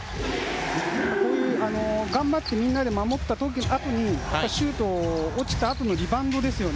頑張ってみんなで守ったあとにシュートが落ちたあとのリバウンドですよね。